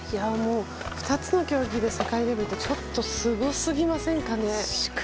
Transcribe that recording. ２つの競技で世界レベルってちょっとすごすぎませんかね。